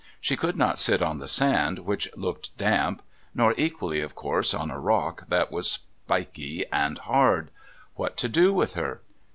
She could not sit on the sand which looked damp, nor equally, of course, on a rock that was spiky and hard. What to do with her?